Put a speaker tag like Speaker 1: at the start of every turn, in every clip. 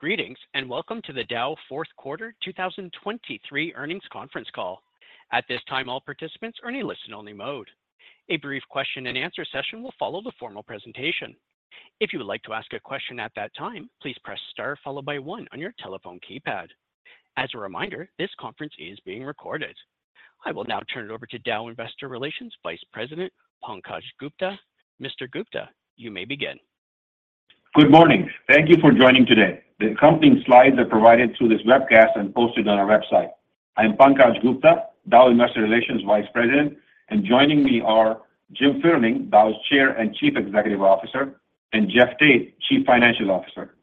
Speaker 1: Greetings, and welcome to the Dow fourth quarter 2023 earnings conference call. At this time, all participants are in a listen-only mode. A brief question-and-answer session will follow the formal presentation. If you would like to ask a question at that time, please press * followed by 1 on your telephone keypad. As a reminder, this conference is being recorded. I will now turn it over to Dow Investor Relations Vice President, Pankaj Gupta. Mr. Gupta, you may begin.
Speaker 2: Good morning. Thank you for joining today. The accompanying slides are provided through this webcast and posted on our website. I'm Pankaj Gupta, Dow Investor Relations Vice President, and joining me are Jim Fitterling, Dow's Chair and Chief Executive Officer, and Jeff Tate, Chief Financial Officer.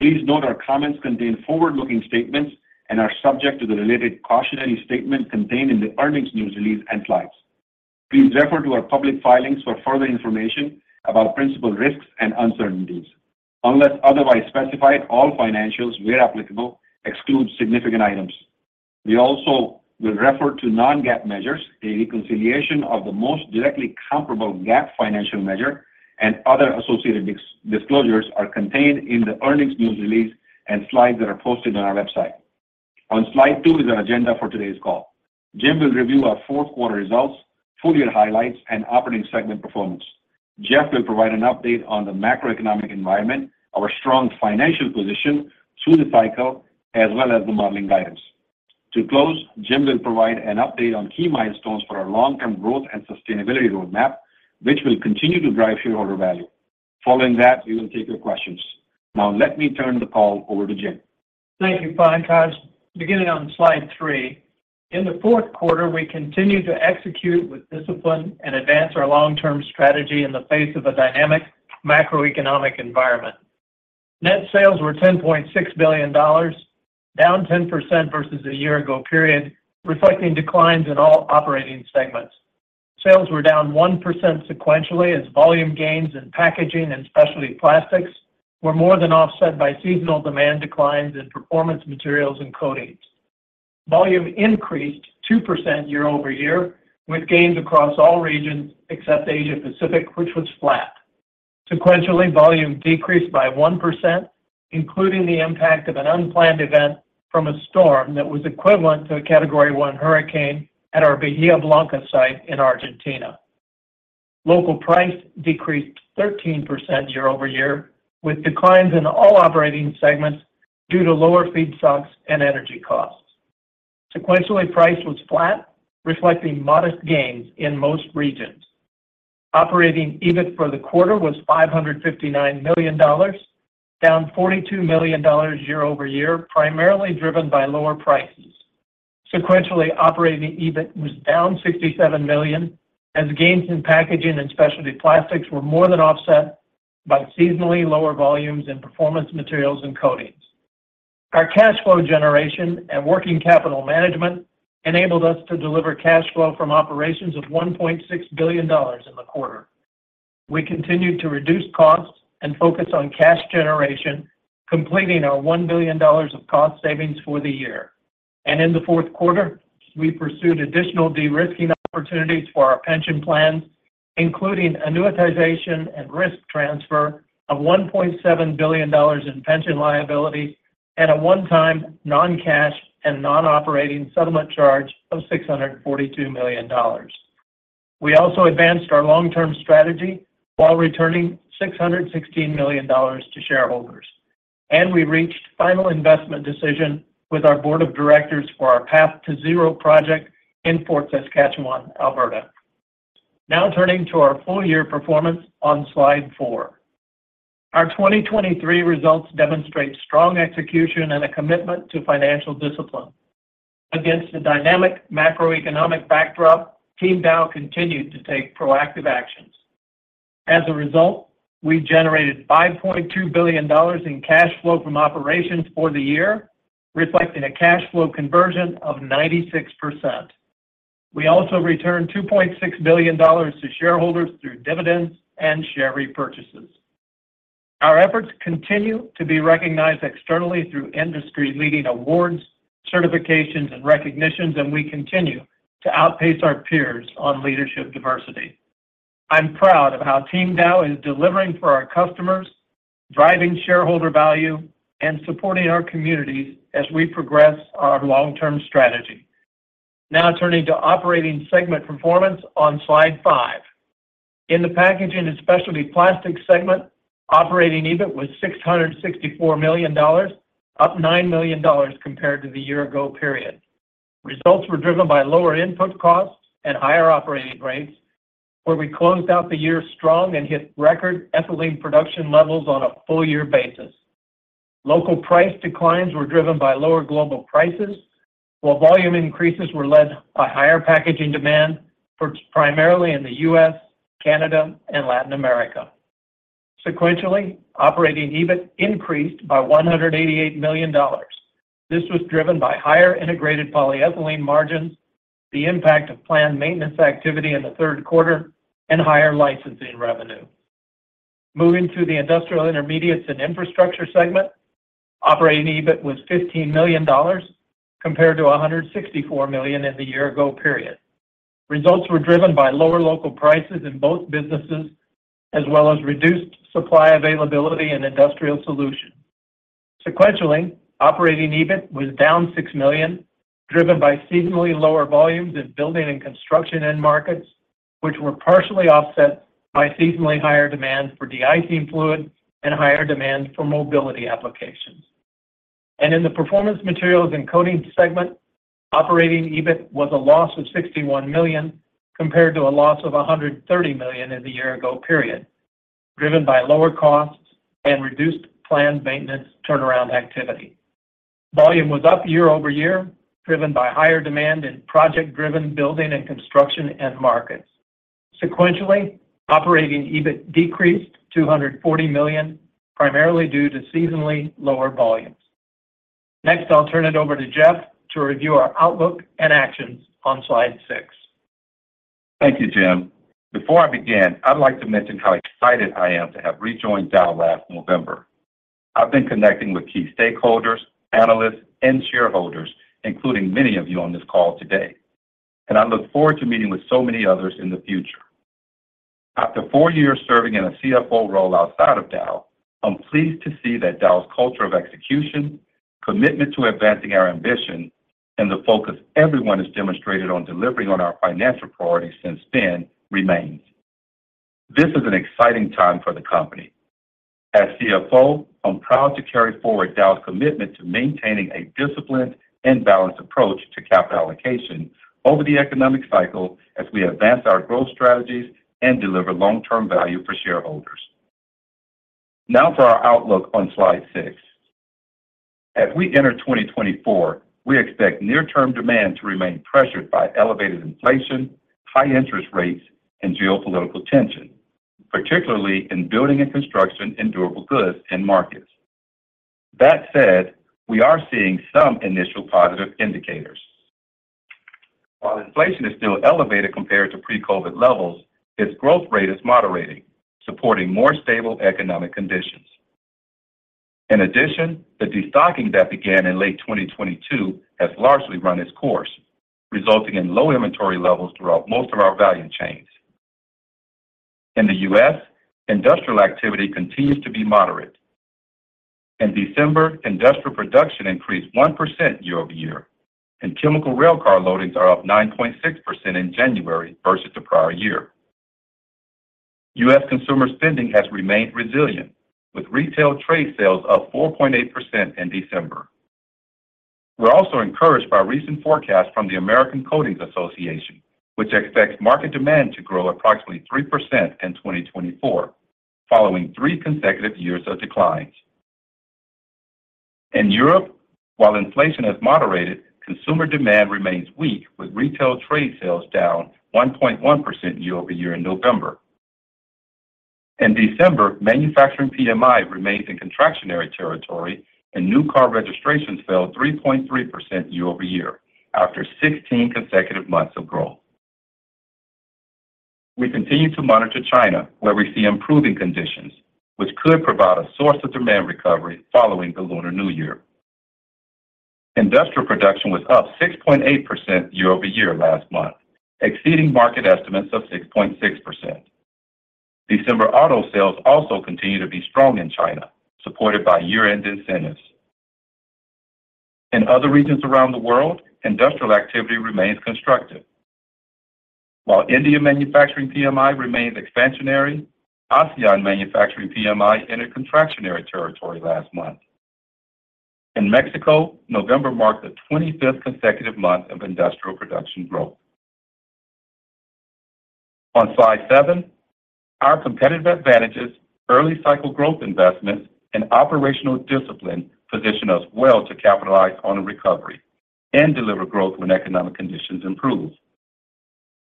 Speaker 2: Please note our comments contain forward-looking statements and are subject to the related cautionary statement contained in the earnings news release and slides. Please refer to our public filings for further information about principal risks and uncertainties. Unless otherwise specified, all financials, where applicable, exclude significant items. We also will refer to non-GAAP measures. A reconciliation of the most directly comparable GAAP financial measure and other associated disclosures are contained in the earnings news release and slides that are posted on our website. On Slide 2 is our agenda for today's call. Jim will review our fourth quarter results, full year highlights, and operating segment performance. Jeff will provide an update on the macroeconomic environment, our strong financial position through the cycle, as well as the modeling guidance. To close, Jim will provide an update on key milestones for our long-term growth and sustainability roadmap, which will continue to drive shareholder value. Following that, we will take your questions. Now, let me turn the call over to Jim.
Speaker 3: Thank you, Pankaj. Beginning on Slide 3, in the fourth quarter, we continued to execute with discipline and advance our long-term strategy in the face of a dynamic macroeconomic environment. Net sales were $10.6 billion, down 10% versus a year ago period, reflecting declines in all operating segments. Sales were down 1% sequentially, as volume gains in Packaging & Specialty Plastics were more than offset by seasonal demand declines in Performance Materials & Coatings. Volume increased 2% year-over-year, with gains across all regions except Asia-Pacific, which was flat. Sequentially, volume decreased by 1%, including the impact of an unplanned event from a storm that was equivalent to a Category 1 hurricane at our Bahía Blanca site in Argentina. Local price decreased 13% year-over-year, with declines in all operating segments due to lower feedstocks and energy costs. Sequentially, price was flat, reflecting modest gains in most regions. Operating EBIT for the quarter was $559 million, down $42 million year-over-year, primarily driven by lower prices. Sequentially, Operating EBIT was down $67 million, as gains in Packaging & Specialty Plastics were more than offset by seasonally lower volumes in Performance Materials & Coatings. Our cash flow generation and working capital management enabled us to deliver cash flow from operations of $1.6 billion in the quarter. We continued to reduce costs and focus on cash generation, completing our $1 billion of cost savings for the year. In the fourth quarter, we pursued additional de-risking opportunities for our pension plans, including annuitization and risk transfer of $1.7 billion in pension liability and a one-time non-cash and non-operating settlement charge of $642 million. We also advanced our long-term strategy while returning $616 million to shareholders. We reached final investment decision with our board of directors for our Path2Zero project in Fort Saskatchewan, Alberta. Now turning to our full year performance on Slide 4. Our 2023 results demonstrate strong execution and a commitment to financial discipline. Against the dynamic macroeconomic backdrop, Team Dow continued to take proactive actions. As a result, we generated $5.2 billion in cash flow from operations for the year, reflecting a cash flow conversion of 96%. We also returned $2.6 billion to shareholders through dividends and share repurchases. Our efforts continue to be recognized externally through industry-leading awards, certifications, and recognitions, and we continue to outpace our peers on leadership diversity. I'm proud of how Team Dow is delivering for our customers, driving shareholder value, and supporting our communities as we progress our long-term strategy. Now turning to operating segment performance on Slide 5. In the packaging and specialty plastics segment, operating EBIT was $664 million, up $9 million compared to the year ago period. Results were driven by lower input costs and higher operating rates, where we closed out the year strong and hit record ethylene production levels on a full year basis. Local price declines were driven by lower global prices, while volume increases were led by higher packaging demand for primarily in the U.S., Canada, and Latin America. Sequentially, operating EBIT increased by $188 million. This was driven by higher integrated polyethylene margins, the impact of planned maintenance activity in the third quarter, and higher licensing revenue. Moving to the Industrial Intermediates & Infrastructure segment, operating EBIT was $15 million, compared to $164 million in the year-ago period. Results were driven by lower local prices in both businesses, as well as reduced supply availability in Industrial Solutions. Sequentially, operating EBIT was down $6 million, driven by seasonally lower volumes in building and construction end markets, which were partially offset by seasonally higher demand for de-icing fluid and higher demand for mobility applications. And in the Performance Materials & Coatings segment, operating EBIT was a loss of $61 million, compared to a loss of $130 million in the year-ago period, driven by lower costs and reduced planned maintenance turnaround activity. Volume was up year-over-year, driven by higher demand in project-driven building and construction end markets. Sequentially, operating EBIT decreased $240 million, primarily due to seasonally lower volumes. Next, I'll turn it over to Jeff to review our outlook and actions on Slide 6.
Speaker 4: Thank you, Jim. Before I begin, I'd like to mention how excited I am to have rejoined Dow last November. I've been connecting with key stakeholders, analysts, and shareholders, including many of you on this call today, and I look forward to meeting with so many others in the future. After 4 years serving in a CFO role outside of Dow, I'm pleased to see that Dow's culture of execution, commitment to advancing our ambition, and the focus everyone has demonstrated on delivering on our financial priorities since then, remains. This is an exciting time for the company. As CFO, I'm proud to carry forward Dow's commitment to maintaining a disciplined and balanced approach to capital allocation over the economic cycle as we advance our growth strategies and deliver long-term value for shareholders. Now, for our outlook on Slide 6. As we enter 2024, we expect near-term demand to remain pressured by elevated inflation, high interest rates, and geopolitical tension, particularly in building and construction and durable goods end markets. That said, we are seeing some initial positive indicators. While inflation is still elevated compared to pre-COVID levels, its growth rate is moderating, supporting more stable economic conditions. In addition, the destocking that began in late 2022 has largely run its course, resulting in low inventory levels throughout most of our value chains. In the U.S., industrial activity continues to be moderate. In December, industrial production increased 1% year-over-year, and chemical railcar loadings are up 9.6% in January versus the prior year. U.S. consumer spending has remained resilient, with retail trade sales up 4.8% in December. We're also encouraged by recent forecasts from the American Coatings Association, which expects market demand to grow approximately 3% in 2024, following 3 consecutive years of declines. In Europe, while inflation has moderated, consumer demand remains weak, with retail trade sales down 1.1% year-over-year in November. In December, manufacturing PMI remained in contractionary territory, and new car registrations fell 3.3% year-over-year after 16 consecutive months of growth. We continue to monitor China, where we see improving conditions, which could provide a source of demand recovery following the Lunar New Year. Industrial production was up 6.8% year-over-year last month, exceeding market estimates of 6.6%. December auto sales also continue to be strong in China, supported by year-end incentives. In other regions around the world, industrial activity remains constructive. While India manufacturing PMI remains expansionary, ASEAN manufacturing PMI in a contractionary territory last month. In Mexico, November marked the 25th consecutive month of industrial production growth. On Slide 7, our competitive advantages, early cycle growth investments, and operational discipline position us well to capitalize on a recovery and deliver growth when economic conditions improve.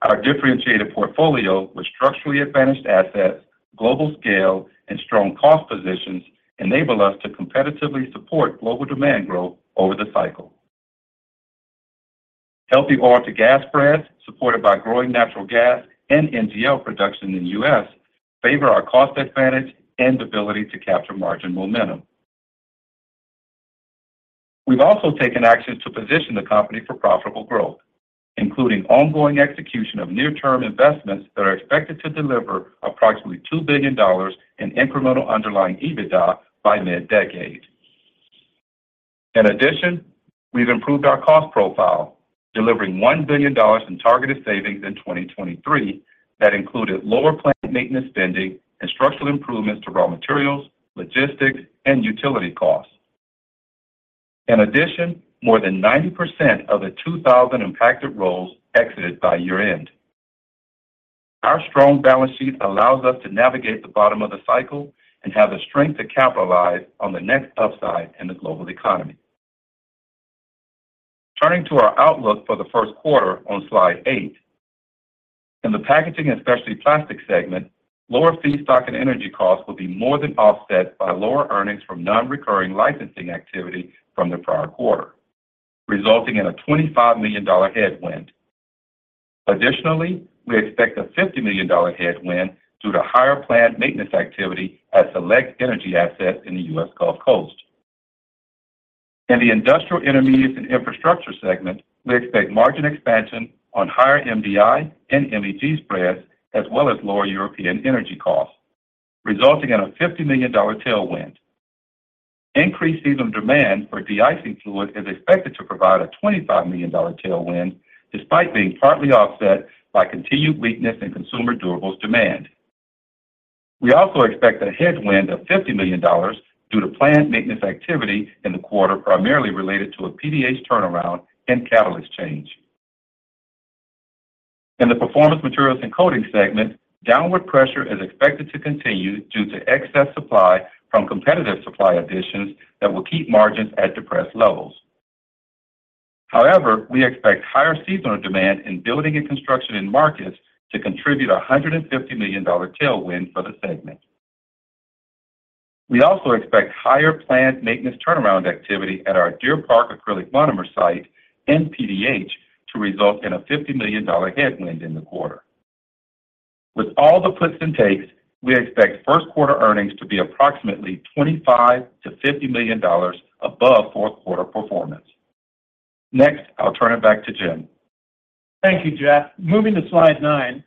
Speaker 4: Our differentiated portfolio with structurally advantaged assets, global scale, and strong cost positions enable us to competitively support global demand growth over the cycle. Healthy oil to gas spreads, supported by growing natural gas and NGL production in the U.S., favor our cost advantage and ability to capture margin momentum. We've also taken actions to position the company for profitable growth, including ongoing execution of near-term investments that are expected to deliver approximately $2 billion in incremental underlying EBITDA by mid-decade. In addition, we've improved our cost profile, delivering $1 billion in targeted savings in 2023, that included lower plant maintenance spending and structural improvements to raw materials, logistics, and utility costs. In addition, more than 90% of the 2,000 impacted roles exited by year-end. Our strong balance sheet allows us to navigate the bottom of the cycle and have the strength to capitalize on the next upside in the global economy. Turning to our outlook for the first quarter on Slide 8. In the Packaging & Specialty Plastics segment, lower feedstock and energy costs will be more than offset by lower earnings from non-recurring licensing activity from the prior quarter, resulting in a $25 million headwind. Additionally, we expect a $50 million headwind due to higher plant maintenance activity at select energy assets in the US Gulf Coast. In the Industrial Intermediates & Infrastructure segment, we expect margin expansion on higher MDI and MEG spreads, as well as lower European energy costs, resulting in a $50 million tailwind. Increased seasonal demand for de-icing fluid is expected to provide a $25 million tailwind, despite being partly offset by continued weakness in consumer durables demand. We also expect a headwind of $50 million due to planned maintenance activity in the quarter, primarily related to a PDH turnaround and catalyst change. In the performance materials and coatings segment, downward pressure is expected to continue due to excess supply from competitive supply additions that will keep margins at depressed levels. However, we expect higher seasonal demand in building and construction end markets to contribute a $150 million tailwind for the segment. We also expect higher planned maintenance turnaround activity at our Deer Park acrylic monomer site and PDH to result in a $50 million headwind in the quarter. With all the puts and takes, we expect first quarter earnings to be approximately $25 million-$50 million above fourth quarter performance. Next, I'll turn it back to Jim.
Speaker 3: Thank you, Jeff. Moving to Slide 9,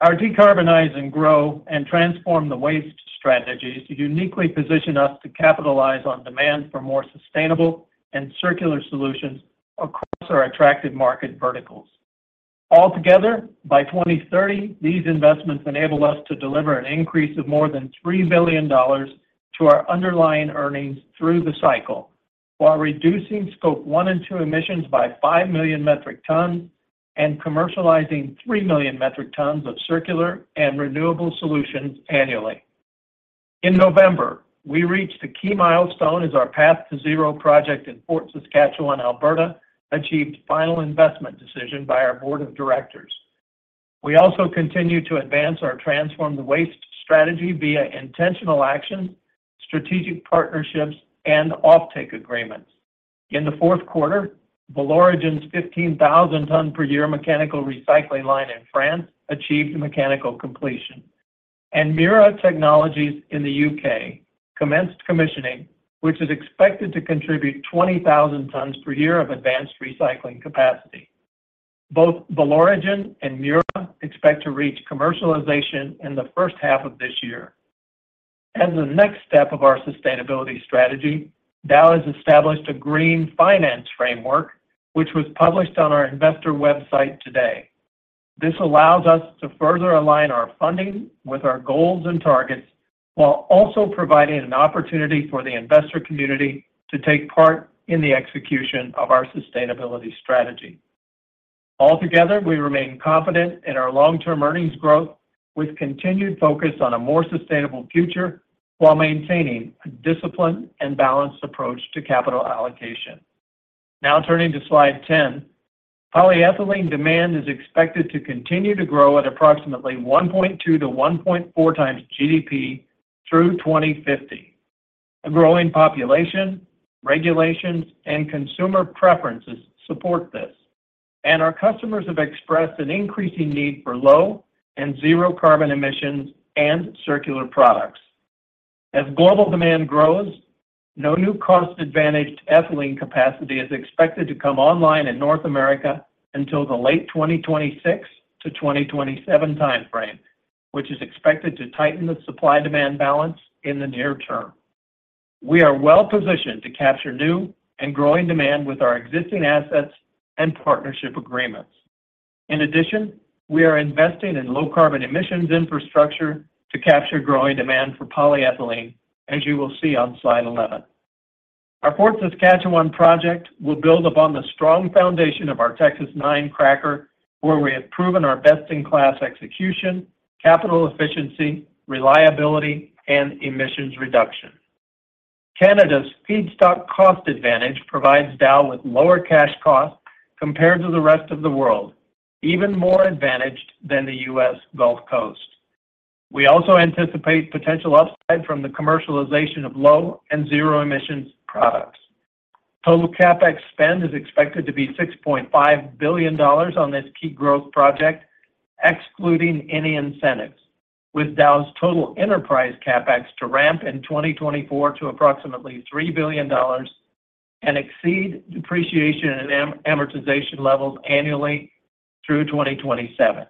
Speaker 3: our Decarbonize and Grow and Transform the Waste strategies uniquely position us to capitalize on demand for more sustainable and circular solutions across our attractive market verticals. Altogether, by 2030, these investments enable us to deliver an increase of more than $3 billion to our underlying earnings through the cycle, while reducing Scope 1 and 2 emissions by 5 million metric tons and commercializing 3 million metric tons of circular and renewable solutions annually. In November, we reached a key milestone as our Path2Zero project in Fort Saskatchewan, Alberta, achieved final investment decision by our board of directors. We also continue to advance our Transform the Waste strategy via intentional actions, strategic partnerships, and offtake agreements. In the fourth quarter, Valoregen's 15,000 tons per year mechanical recycling line in France achieved mechanical completion, and Mura Technology in the UK commenced commissioning, which is expected to contribute 20,000 tons per year of advanced recycling capacity. Both Valoregen and Mura expect to reach commercialization in the first half of this year. As the next step of our sustainability strategy, Dow has established a Green Finance Framework, which was published on our investor website today. This allows us to further align our funding with our goals and targets, while also providing an opportunity for the investor community to take part in the execution of our sustainability strategy. Altogether, we remain confident in our long-term earnings growth with continued focus on a more sustainable future while maintaining a disciplined and balanced approach to capital allocation. Now, turning to Slide 10, polyethylene demand is expected to continue to grow at approximately 1.2x-1.4x GDP through 2050. A growing population, regulations, and consumer preferences support this, and our customers have expressed an increasing need for low and zero carbon emissions and circular products. As global demand grows, no new cost-advantaged ethylene capacity is expected to come online in North America until the late 2026-2027 timeframe, which is expected to tighten the supply-demand balance in the near term. We are well positioned to capture new and growing demand with our existing assets and partnership agreements. In addition, we are investing in low carbon emissions infrastructure to capture growing demand for polyethylene, as you will see on Slide 11. Our Fort Saskatchewan project will build upon the strong foundation of our Texas-9 cracker, where we have proven our best-in-class execution, capital efficiency, reliability, and emissions reduction. Canada's feedstock cost advantage provides Dow with lower cash costs compared to the rest of the world, even more advantaged than the US Gulf Coast. We also anticipate potential upside from the commercialization of low and zero emissions products. Total CapEx spend is expected to be $6.5 billion on this key growth project, excluding any incentives, with Dow's total enterprise CapEx to ramp in 2024 to approximately $3 billion and exceed depreciation and amortization levels annually through 2027.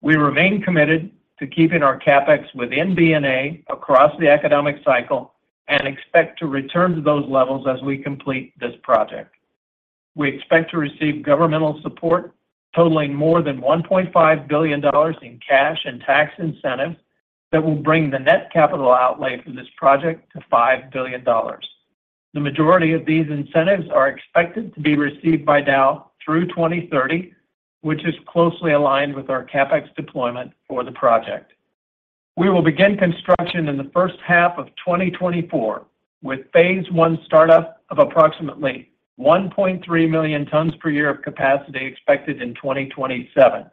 Speaker 3: We remain committed to keeping our CapEx within D&A across the economic cycle and expect to return to those levels as we complete this project. We expect to receive governmental support totaling more than $1.5 billion in cash and tax incentives that will bring the net capital outlay for this project to $5 billion. The majority of these incentives are expected to be received by Dow through 2030, which is closely aligned with our CapEx deployment for the project. We will begin construction in the first half of 2024, with phase one startup of approximately 1.3 million tons per year of capacity expected in 2027.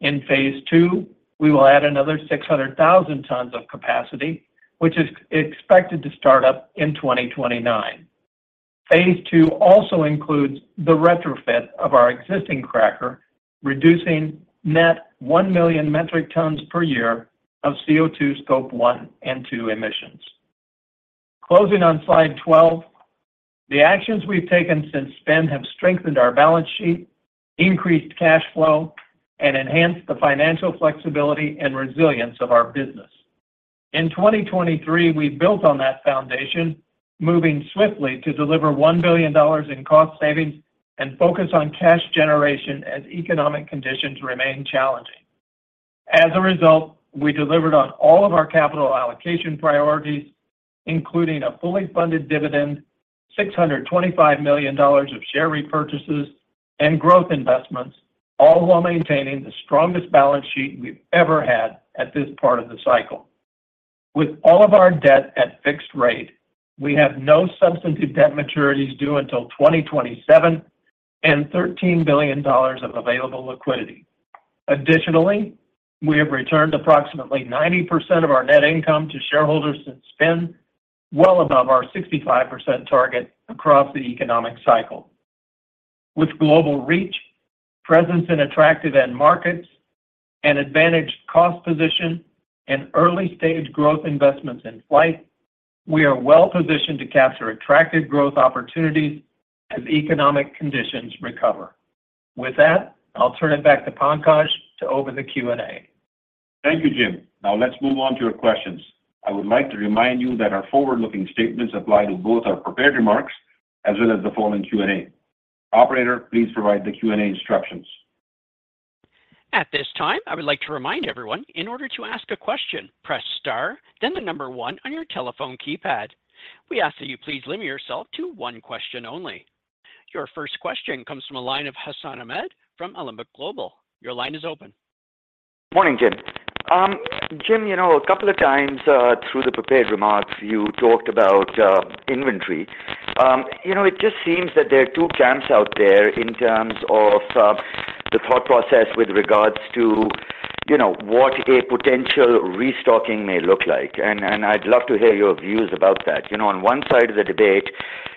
Speaker 3: In phase two, we will add another 600,000 tons of capacity, which is expected to start up in 2029. Phase two also includes the retrofit of our existing cracker, reducing net 1 million metric tons per year of CO2 Scope 1 and 2 emissions. Closing on Slide 12, the actions we've taken since then have strengthened our balance sheet, increased cash flow, and enhanced the financial flexibility and resilience of our business. In 2023, we built on that foundation, moving swiftly to deliver $1 billion in cost savings and focus on cash generation as economic conditions remain challenging. As a result, we delivered on all of our capital allocation priorities, including a fully funded dividend, $625 million of share repurchases, and growth investments, all while maintaining the strongest balance sheet we've ever had at this part of the cycle. With all of our debt at fixed rate, we have no substantive debt maturities due until 2027 and $13 billion of available liquidity. Additionally, we have returned approximately 90% of our net income to shareholders since then, well above our 65% target across the economic cycle. With global reach, presence in attractive end markets, and advantaged cost position, and early-stage growth investments in flight, we are well positioned to capture attractive growth opportunities as economic conditions recover. With that, I'll turn it back to Pankaj to open the Q&A.
Speaker 2: Thank you, Jim. Now, let's move on to your questions. I would like to remind you that our forward-looking statements apply to both our prepared remarks as well as the following Q&A. Operator, please provide the Q&A instructions.
Speaker 1: At this time, I would like to remind everyone, in order to ask a question, press Star, then the number one on your telephone keypad. We ask that you please limit yourself to one question only. Your first question comes from a line of Hassan Ahmed from Alembic Global Advisors. Your line is open.
Speaker 5: Morning, Jim. Jim, you know, a couple of times through the prepared remarks, you talked about inventory. You know, it just seems that there are two camps out there in terms of the thought process with regards to, you know, what a potential restocking may look like. And I'd love to hear your views about that. You know, on one side of the debate,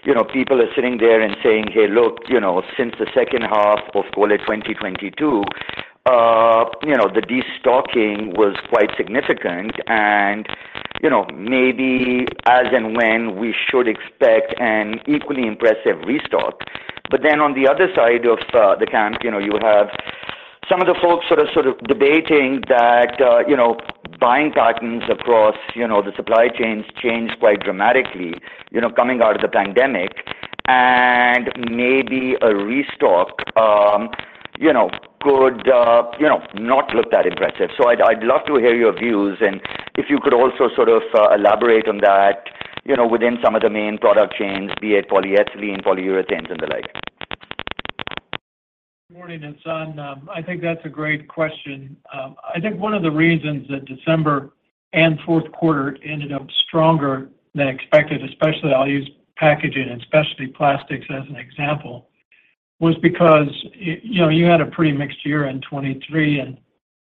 Speaker 5: you know, people are sitting there and saying: Hey, look, you know, since the second half of 2022, you know, the destocking was quite significant and, you know, maybe as and when we should expect an equally impressive restock. But then on the other side of the camp, you know, you have some of the folks sort of debating that, you know, buying patterns across, you know, the supply chains changed quite dramatically, you know, coming out of the pandemic, and maybe a restock, you know, could not look that impressive. So I'd love to hear your views, and if you could also sort of elaborate on that, you know, within some of the main product chains, be it polyethylene, polyurethanes, and the like.
Speaker 3: Morning, Hassan. I think that's a great question. I think one of the reasons that December and fourth quarter ended up stronger than expected, especially I'll use packaging and specialty plastics as an example, was because, you know, you had a pretty mixed year in 2023, and,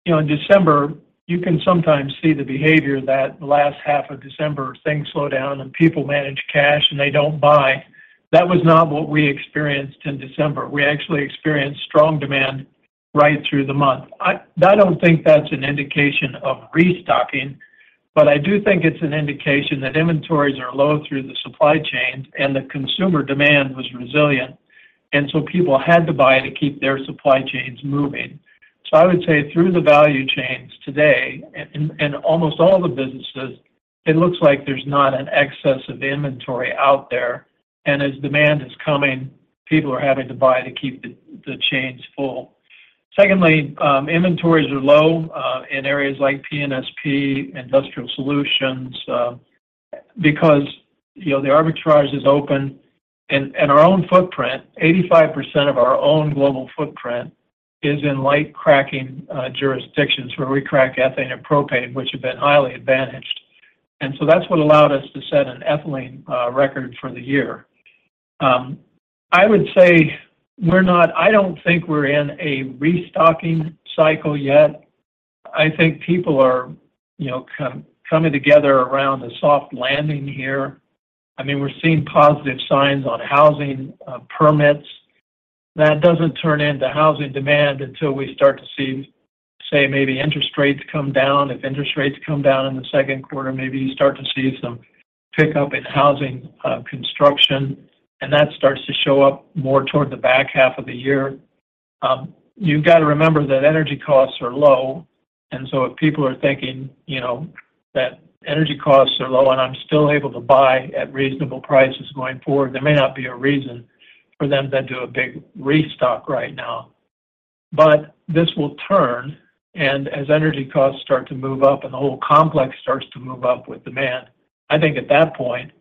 Speaker 3: you know, in December, you can sometimes see the behavior that last half of December, things slow down, and people manage cash, and they don't buy. That was not what we experienced in December. We actually experienced strong demand right through the month. I don't think that's an indication of restocking, but I do think it's an indication that inventories are low through the supply chains, and the consumer demand was resilient, and so people had to buy to keep their supply chains moving. So I would say through the value chains today, and almost all the businesses, it looks like there's not an excess of inventory out there, and as demand is coming, people are having to buy to keep the chains full. Secondly, inventories are low in areas like PNSP, Industrial Solutions, because, you know, the arbitrage is open, and our own footprint, 85% of our own global footprint is in light cracking, jurisdictions where we crack ethane and propane, which have been highly advantaged. And so that's what allowed us to set an ethylene record for the year. I would say we're not—I don't think we're in a restocking cycle yet. I think people are, you know, coming together around a soft landing here. I mean, we're seeing positive signs on housing permits. That doesn't turn into housing demand until we start to see, say, maybe interest rates come down. If interest rates come down in the second quarter, maybe you start to see some pickup in housing, construction, and that starts to show up more toward the back half of the year. You've got to remember that energy costs are low, and so if people are thinking, you know, that energy costs are low, and I'm still able to buy at reasonable prices going forward, there may not be a reason for them then to a big restock right now. But this will turn, and as energy costs start to move up and the whole complex starts to move up with demand, I think at that point,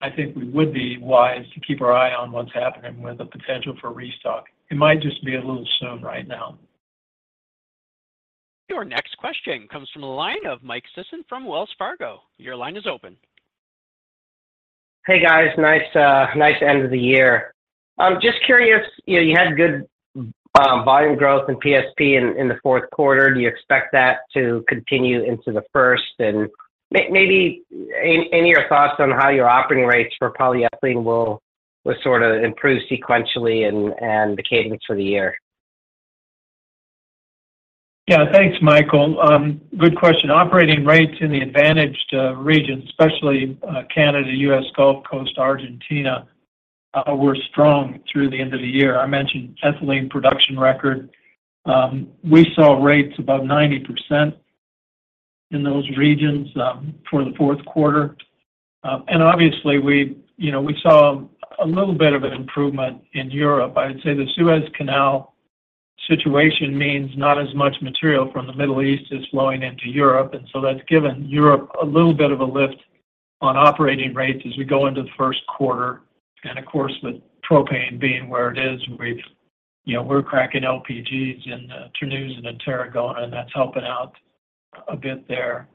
Speaker 3: I think we would be wise to keep our eye on what's happening with the potential for restock. It might just be a little soon right now.
Speaker 1: Your next question comes from the line of Mike Sison from Wells Fargo. Your line is open.
Speaker 6: Hey, guys. Nice, nice end of the year. I'm just curious, you know. You had good volume growth in PSP in the fourth quarter. Do you expect that to continue into the first? And maybe any of your thoughts on how your operating rates for polyethylene will sort of improve sequentially and the cadence for the year?
Speaker 3: Yeah, thanks, Michael. Good question. Operating rates in the advantaged regions, especially Canada, US Gulf Coast, Argentina, were strong through the end of the year. I mentioned ethylene production record. We saw rates above 90% in those regions for the fourth quarter. And obviously, we, you know, we saw a little bit of an improvement in Europe. I'd say the Suez Canal situation means not as much material from the Middle East is flowing into Europe, and so that's given Europe a little bit of a lift on operating rates as we go into the first quarter. And of course, with propane being where it is, we've, you know, we're cracking LPGs in Terneuzen and Tarragona, and that's helping out a bit there.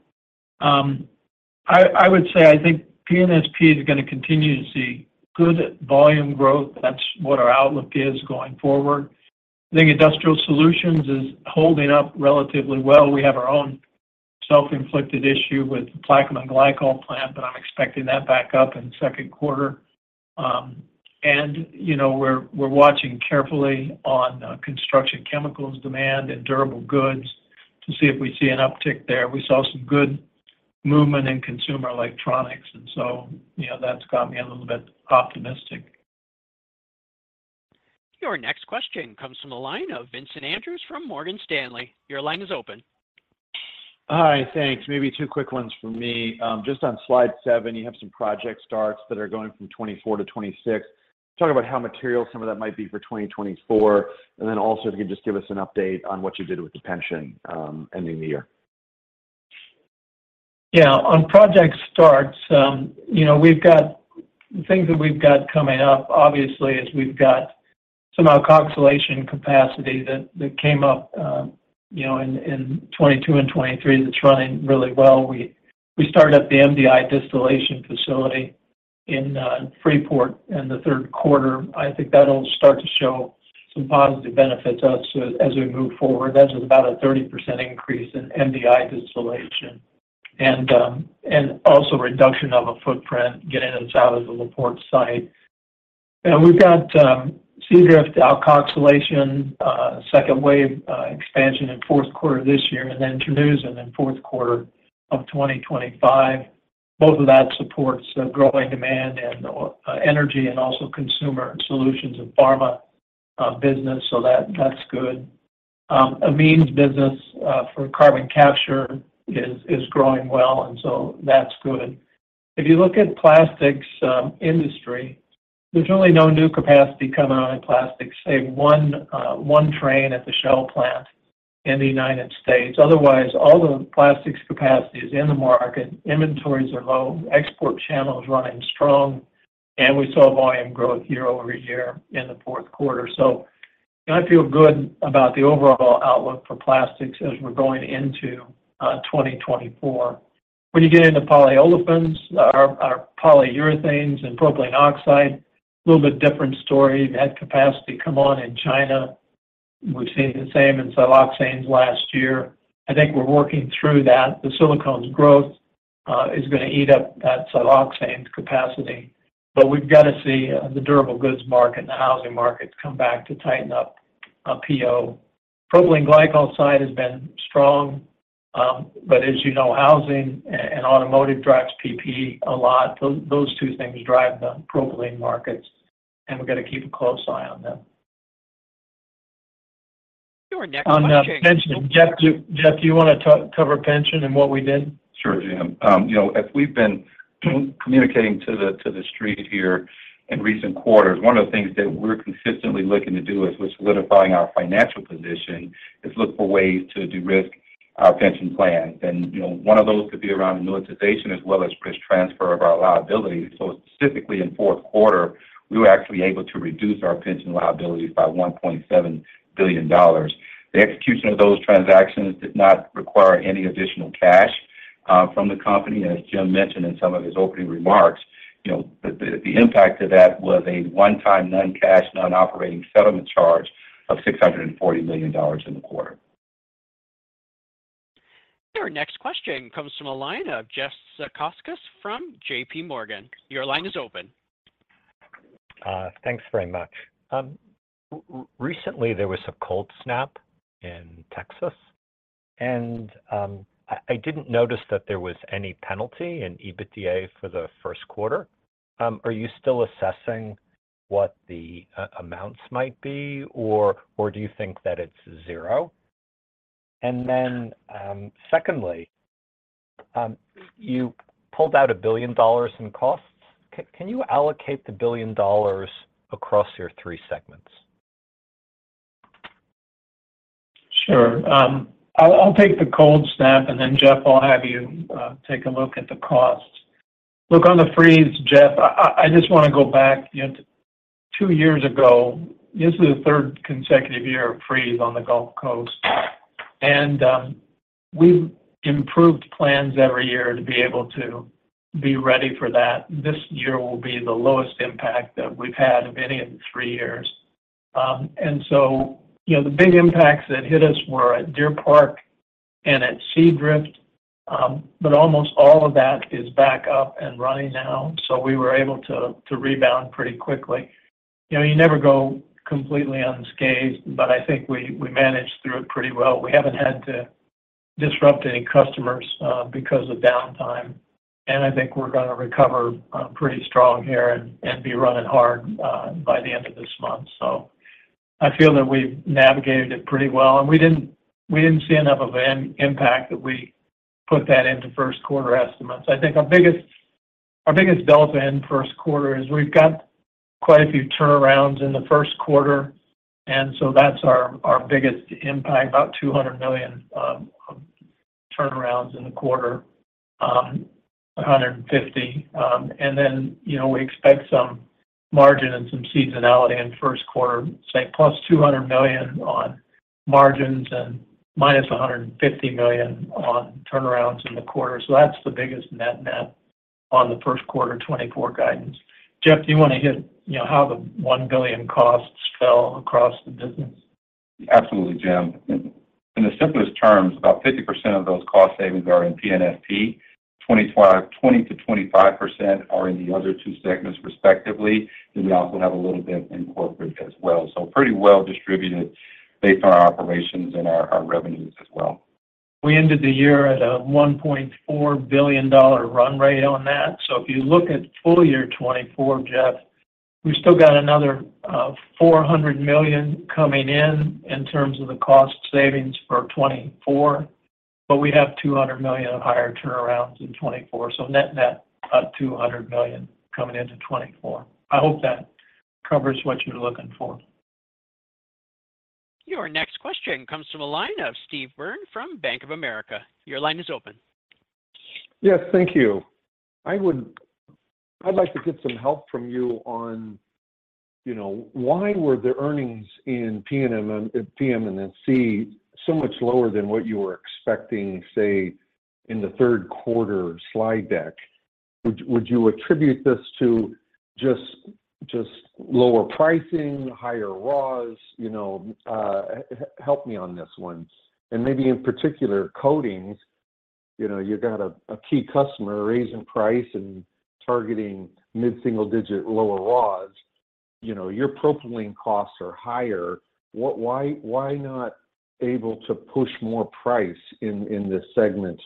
Speaker 3: I would say, I think PNSP is gonna continue to see good volume growth. That's what our outlook is going forward. I think Industrial Solutions is holding up relatively well. We have our own self-inflicted issue with the Plaquemine glycol plant, but I'm expecting that back up in the second quarter. And, you know, we're watching carefully on construction chemicals demand and durable goods to see if we see an uptick there. We saw some good movement in consumer electronics, and so, you know, that's got me a little bit optimistic.
Speaker 1: Your next question comes from the line of Vincent Andrews from Morgan Stanley. Your line is open.
Speaker 7: Hi, thanks. Maybe 2 quick ones from me. Just on Slide 7, you have some project starts that are going from 2024 to 2026. Talk about how material some of that might be for 2024, and then also, if you could just give us an update on what you did with the pension, ending the year.
Speaker 3: Yeah. On project starts, you know, we've got things that we've got coming up, obviously, is we've got some alkoxylation capacity that came up, you know, in 2022 and 2023, that's running really well. We started up the MDI distillation facility in Freeport in the third quarter. I think that'll start to show some positive benefits us as we move forward. That's about a 30% increase in MDI distillation and also reduction of a footprint, getting us out of the La Porte site. And we've got Seadrift alkoxylation second wave expansion in fourth quarter this year, and then Terneuzen in fourth quarter of 2025. Both of that supports a growing demand in energy and also Consumer Solutions and pharma business, so that's good. Amines business for carbon capture is growing well, and so that's good. If you look at plastics industry, there's really no new capacity coming out in plastics, save one train at the Shell plant in the United States. Otherwise, all the plastics capacity is in the market. Inventories are low, export channels running strong, and we saw volume growth year-over-year in the fourth quarter. So I feel good about the overall outlook for plastics as we're going into 2024. When you get into polyolefins, our polyurethanes and propylene oxide, a little bit different story. We've had capacity come on in China. We've seen the same in siloxanes last year. I think we're working through that. The silicones growth is gonna eat up that siloxanes capacity, but we've got to see the durable goods market and the housing market come back to tighten up PO. Propylene glycol side has been strong, but as you know, housing and automotive drives PP a lot. Those two things drive the propylene markets, and we've got to keep a close eye on them.
Speaker 1: Your next..
Speaker 3: On the pension, Jeff, do you wanna cover pension and what we did?
Speaker 4: Sure, Jim. You know, as we've been communicating to the street here in recent quarters, one of the things that we're consistently looking to do as we're solidifying our financial position, is look for ways to derisk our pension plans. And, you know, one of those could be around monetization as well as risk transfer of our liabilities. So specifically in fourth quarter, we were actually able to reduce our pension liabilities by $1.7 billion. The execution of those transactions did not require any additional cash from the company. As Jim mentioned in some of his opening remarks, you know, the impact of that was a one-time, non-cash, non-operating settlement charge of $640 million in the quarter.
Speaker 1: Our next question comes from a line of Jeffrey Zekauskas from JPMorgan. Your line is open.
Speaker 8: Thanks very much. Recently, there was a cold snap in Texas, and I didn't notice that there was any penalty in EBITDA for the first quarter. Are you still assessing what the amounts might be, or do you think that it's zero? And then, secondly, you pulled out $1 billion in costs. Can you allocate the $1 billion across your three segments?
Speaker 3: Sure. I'll take the cold snap, and then, Jeff, I'll have you take a look at the costs. Look, on the freeze, Jeff, I just wanna go back. Two years ago, this is the third consecutive year of freeze on the Gulf Coast, and we've improved plans every year to be able to be ready for that. This year will be the lowest impact that we've had of any of the three years. And so, you know, the big impacts that hit us were at Deer Park and at Seadrift, but almost all of that is back up and running now, so we were able to rebound pretty quickly. You know, you never go completely unscathed, but I think we managed through it pretty well. We haven't had to disrupt any customers because of downtime, and I think we're gonna recover pretty strong here and be running hard by the end of this month. So I feel that we've navigated it pretty well, and we didn't see enough of an impact that we put that into first quarter estimates. I think our biggest delta in first quarter is we've got quite a few turnarounds in the first quarter, and so that's our biggest impact, about $200 million turnarounds in the quarter, $150 million. And then, you know, we expect some margin and some seasonality in first quarter, say, +$200 million on margins and -$150 million on turnarounds in the quarter. So that's the biggest net-net on the first quarter 2024 guidance. Jeff, do you want to hit, you know, how the $1 billion costs fell across the business?
Speaker 4: Absolutely, Jim. In the simplest terms, about 50% of those cost savings are in PNFP. 25%, 20%-25% are in the other two segments, respectively, and we also have a little bit in corporate as well. So pretty well distributed based on our operations and our revenues as well.
Speaker 3: We ended the year at a $1.4 billion run-rate on that. So if you look at full year 2024, Jeff, we still got another $400 million coming in in terms of the cost savings for 2024, but we have $200 million of higher turnarounds in 2024. So net-net, $200 million coming into 2024. I hope that covers what you're looking for.
Speaker 1: Your next question comes from the line of Steve Byrne from Bank of America. Your line is open.
Speaker 9: Yes, thank you. I'd like to get some help from you on, you know, why were the earnings in PM&C so much lower than what you were expecting, say, in the third quarter Slide deck? Would you attribute this to just lower pricing, higher raws? You know, help me on this one. And maybe in particular, coatings, you know, you got a key customer raising price and targeting mid-single digit, lower raws. You know, your propylene costs are higher. Why not able to push more price in this segment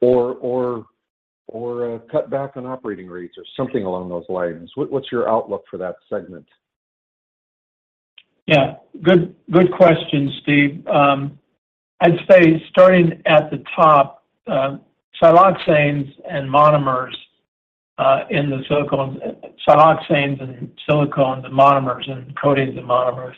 Speaker 9: or cut back on operating rates or something along those lines? What's your outlook for that segment?
Speaker 3: Yeah, good, good question, Steve. I'd say starting at the top, siloxanes and monomers, in the Siloxanes and Silicones and Monomers and Coatings and Monomers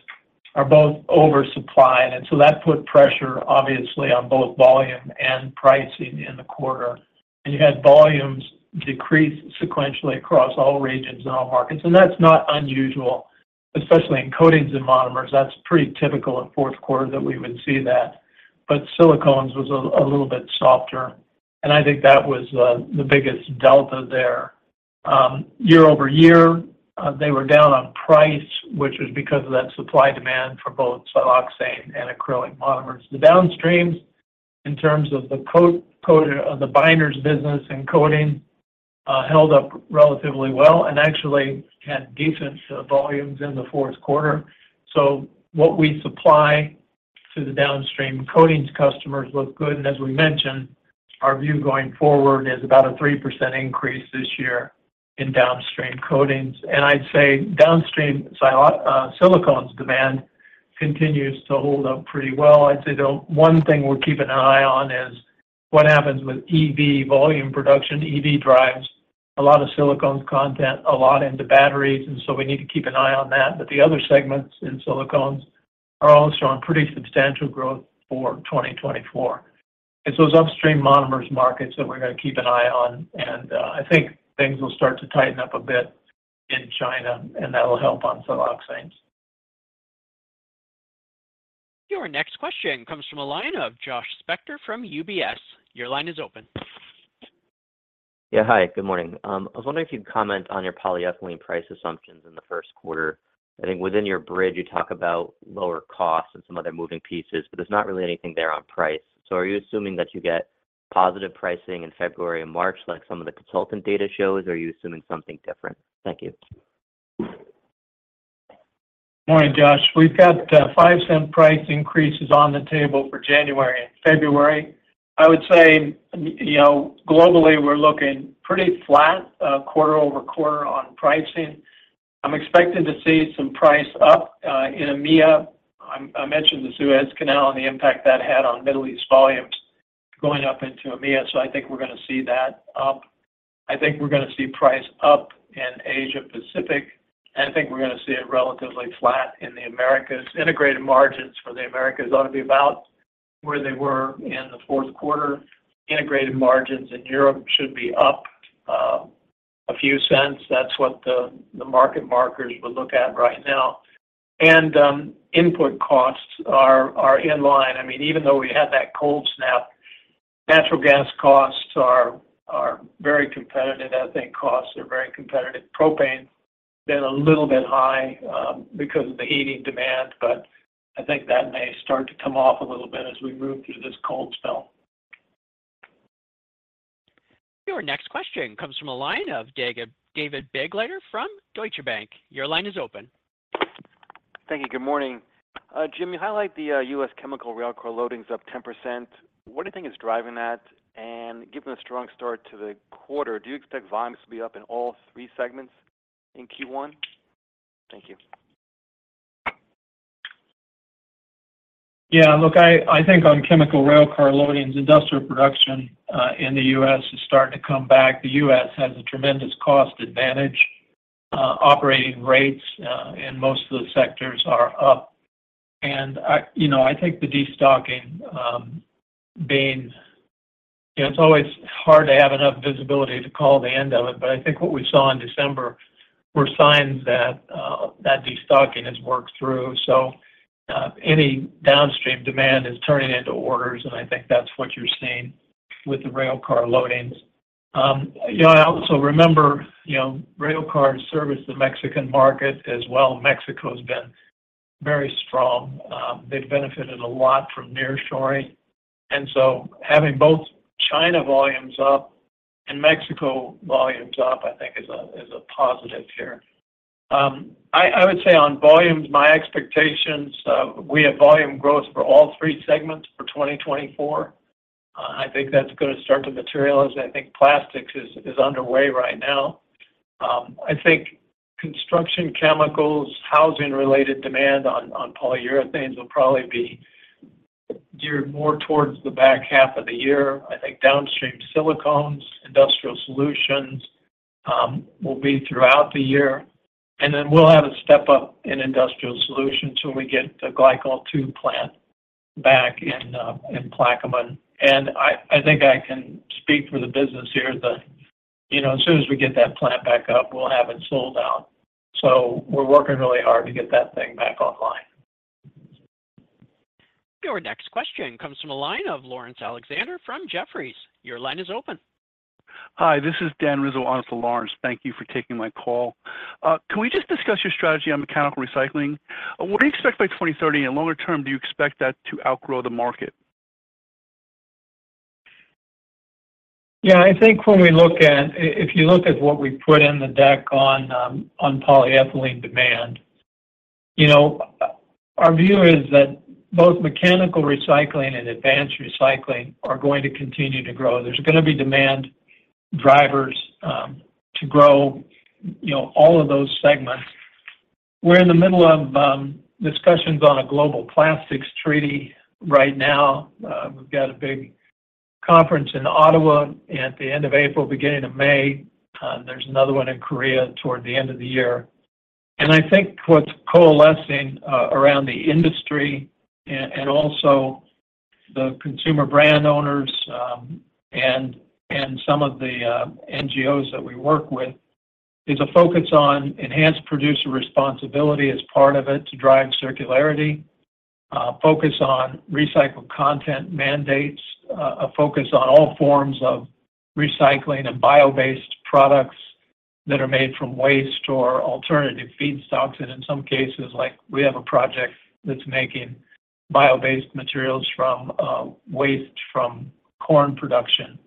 Speaker 3: are both oversupplied, and so that put pressure, obviously, on both volume and pricing in the quarter. And you had volumes decrease sequentially across all regions and all markets, and that's not unusual, especially in coatings and monomers. That's pretty typical in fourth quarter that we would see that. But silicones was a little bit softer, and I think that was the biggest delta there. Year-over-year, they were down on price, which was because of that supply demand for both siloxane and acrylic monomers. The downstreams, in terms of the coating, the binders business and coating, held up relatively well and actually had decent volumes in the fourth quarter. So what we supply to the downstream coatings customers looked good, and as we mentioned, our view going forward is about a 3% increase this year in downstream coatings. And I'd say downstream silicone silicones demand continues to hold up pretty well. I'd say the one thing we're keeping an eye on is what happens with EV volume production. EV drives a lot of silicones content, a lot into batteries, and so we need to keep an eye on that. But the other segments in silicones are all showing pretty substantial growth for 2024. It's those upstream monomers markets that we're gonna keep an eye on, and I think things will start to tighten up a bit in China, and that will help on siloxanes.
Speaker 1: Your next question comes from a line of Josh Spector from UBS. Your line is open.
Speaker 10: Yeah, hi, good morning. I was wondering if you'd comment on your polyethylene price assumptions in the first quarter. I think within your bridge, you talk about lower costs and some other moving pieces, but there's not really anything there on price. So are you assuming that you get positive pricing in February and March, like some of the consultant data shows, or are you assuming something different? Thank you.
Speaker 3: Morning, Josh. We've got, five-cent price increases on the table for January and February. I would say, you know, globally, we're looking pretty flat, quarter-over-quarter on pricing. I'm expecting to see some price up, in EMEA. I mentioned the Suez Canal and the impact that had on Middle East volumes going up into EMEA, so I think we're gonna see that up. I think we're gonna see price up in Asia Pacific, and I think we're gonna see it relatively flat in the Americas. Integrated margins for the Americas ought to be about where they were in the fourth quarter. Integrated margins in Europe should be up, a few cents. That's what the, the market markers would look at right now. And, input costs are, are in line. I mean, even though we had that cold snap, natural gas costs are-... Very competitive. I think costs are very competitive. Propane been a little bit high, because of the heating demand, but I think that may start to come off a little bit as we move through this cold spell.
Speaker 1: Your next question comes from the line of David Begleiter from Deutsche Bank. Your line is open.
Speaker 11: Thank you. Good morning. Jim, you highlight the US chemical railcar loading is up 10%. What do you think is driving that? And given a strong start to the quarter, do you expect volumes to be up in all three segments in Q1? Thank you.
Speaker 3: Yeah, look, I think on chemical railcar loadings, industrial production in the US is starting to come back. The US has a tremendous cost advantage. Operating rates in most of the sectors are up. And I, you know, I think the destocking, being, you know, it's always hard to have enough visibility to call the end of it, but I think what we saw in December were signs that that destocking has worked through. So, any downstream demand is turning into orders, and I think that's what you're seeing with the railcar loadings. You know, I also remember, you know, railcars service the Mexican market as well. Mexico has been very strong. They've benefited a lot from nearshoring. And so having both China volumes up and Mexico volumes up, I think is a positive here. I would say on volumes, my expectations, we have volume growth for all three segments for 2024. I think that's gonna start to materialize. I think plastics is underway right now. I think construction chemicals, housing-related demand on polyurethanes will probably be geared more towards the back half of the year. I think downstream silicones, Industrial Solutions, will be throughout the year. And then we'll have a step up in Industrial Solutions when we get the Glycol II plant back in, in Plaquemine. And I think I can speak for the business here that, you know, as soon as we get that plant back up, we'll have it sold out. So we're working really hard to get that thing back online.
Speaker 1: Your next question comes from a line of Laurence Alexander from Jefferies. Your line is open.
Speaker 12: Hi, this is Dan Rizzo, on for Lawrence. Thank you for taking my call. Can we just discuss your strategy on mechanical recycling? What do you expect by 2030, and longer term, do you expect that to outgrow the market?
Speaker 3: Yeah, I think when we look at if you look at what we put in the deck on polyethylene demand, you know, our view is that both mechanical recycling and advanced recycling are going to continue to grow. There's gonna be demand drivers to grow, you know, all of those segments. We're in the middle of discussions on a global plastics treaty right now. We've got a big conference in Ottawa at the end of April, beginning of May. There's another one in Korea toward the end of the year. And I think what's coalescing around the industry and also the consumer brand owners and some of the NGOs that we work with is a focus on Enhanced Producer Responsibility as part of it to drive circularity, focus on recycled content mandates, a focus on all forms of recycling and bio-based products that are made from waste or alternative feedstocks. And in some cases, like we have a project that's making bio-based materials from waste from corn production,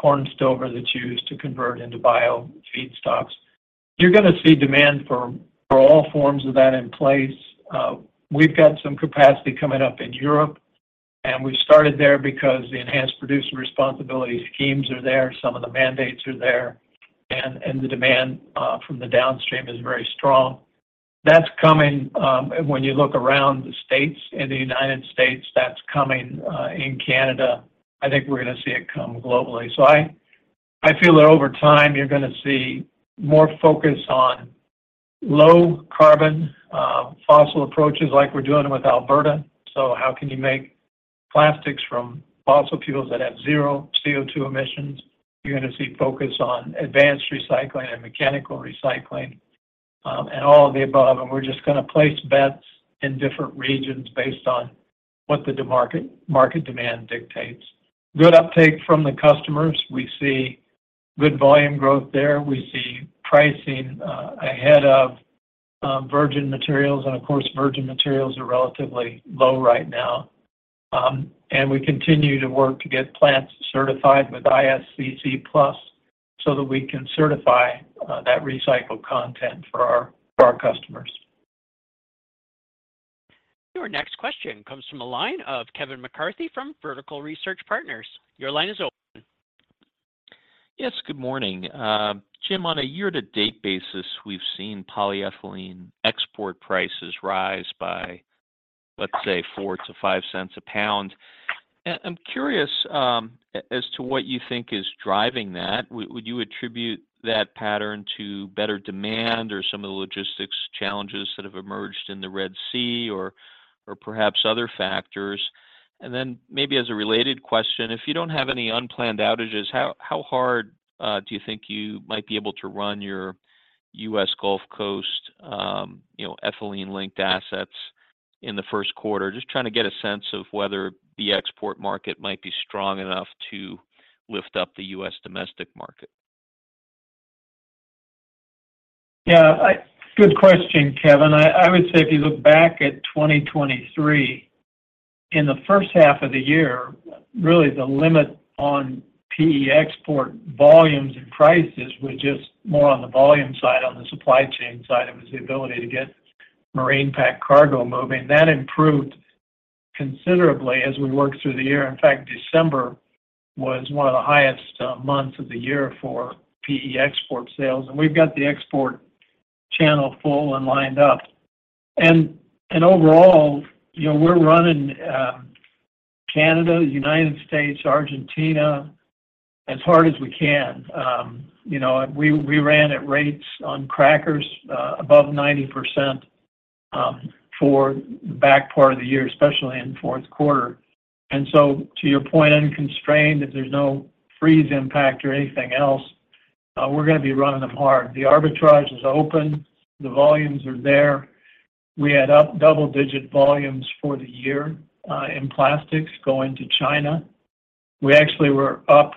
Speaker 3: corn stover that's used to convert into bio feedstocks. You're gonna see demand for all forms of that in place. We've got some capacity coming up in Europe, and we started there because the Enhanced Producer Responsibility schemes are there, some of the mandates are there, and the demand from the downstream is very strong. That's coming, when you look around the states, in the United States, that's coming, in Canada, I think we're gonna see it come globally. So I feel that over time, you're gonna see more focus on low carbon, fossil approaches like we're doing with Alberta. So how can you make plastics from fossil fuels that have zero CO2 emissions? You're gonna see focus on advanced recycling and mechanical recycling, and all of the above. And we're just gonna place bets in different regions based on what the market demand dictates. Good uptake from the customers. We see good volume growth there. We see pricing ahead of virgin materials, and of course, virgin materials are relatively low right now. We continue to work to get plants certified with ISCC PLUS, so that we can certify that recycled content for our, for our customers.
Speaker 1: Your next question comes from a line of Kevin McCarthy from Vertical Research Partners. Your line is open.
Speaker 13: Yes, good morning. Jim, on a year-to-date basis, we've seen polyethylene export prices rise by, let's say, $0.04-$0.05 a pound. I'm curious, as to what you think is driving that. Would you attribute that pattern to better demand or some of the logistics challenges that have emerged in the Red Sea or, or perhaps other factors? And then maybe as a related question, if you don't have any unplanned outages, how hard do you think you might be able to run your US Gulf Coast, you know, ethylene-linked assets in the first quarter? Just trying to get a sense of whether the export market might be strong enough to lift up the US domestic market.
Speaker 3: Yeah, good question, Kevin. I would say if you look back at 2023, in the first half of the year, really, the limit on PE export volumes and prices were just more on the volume side, on the supply chain side. It was the ability to get marine packed cargo moving. That improved considerably as we worked through the year. In fact, December was one of the highest months of the year for PE export sales, and we've got the export channel full and lined up. And overall, you know, we're running Canada, United States, Argentina, as hard as we can. You know, we ran at rates on crackers above 90% for back part of the year, especially in fourth quarter. And so to your point, unconstrained, if there's no freeze impact or anything else, we're gonna be running them hard. The arbitrage is open. The volumes are there. We had up double-digit volumes for the year in plastics going to China. We actually were up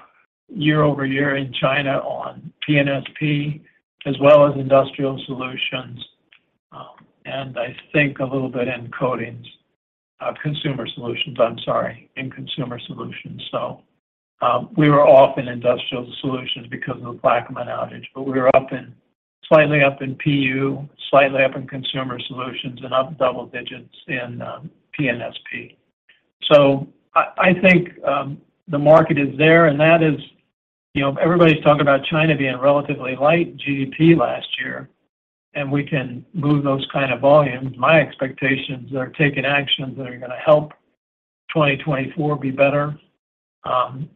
Speaker 3: year-over-year in China on PNSP, as well as Industrial Solutions, and I think a little bit in coatings, Consumer Solutions, I'm sorry, in Consumer Solutions. So we were off in Industrial Solutions because of the Plaquemine outage, but we were up in, slightly up in PU, slightly up in Consumer Solutions, and up double digits in PNSP. So I think the market is there, and that is, you know, everybody's talking about China being relatively light GDP last year, and we can move those kind of volumes. My expectations are taking actions that are gonna help 2024 be better.